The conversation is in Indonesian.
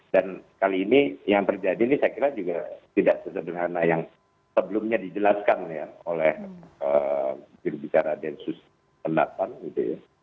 dan kali ini yang terjadi ini saya kira juga tidak sesederhana yang sebelumnya dijelaskan oleh juru bikara densus pendapatan